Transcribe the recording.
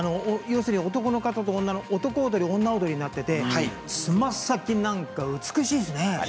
要するに男の方と男踊り、女踊りがあってつま先なんか美しいですね。